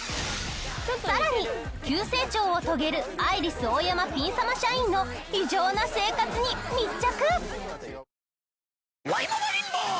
さらに急成長を遂げるアイリスオーヤマピン様社員の異常な生活に密着！